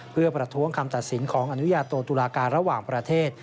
เพื่อประท้วงคำตัดสินของอนุญาโตตุลาการระหว่างประเทศ